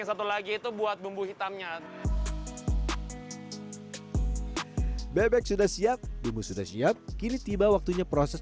yang satu lagi itu buat bumbu hitamnya bebek sudah siap bumbu sudah siap kini tiba waktunya proses